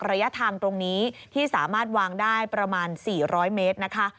ระยะทางตรงนี้ที่สามารถวางได้ประมาณ๔๐๐เมตรนะคะ